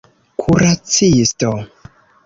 kuracisto